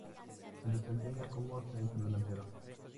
Se desempeña como centrodelantero.